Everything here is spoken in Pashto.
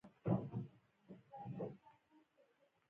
پر کمال سادات، ناوک صاحب ویناوې وشوې.